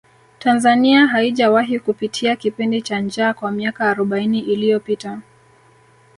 tanzania haijawahi kupitia kipindi cha njaa kwa miaka arobaini iliyopita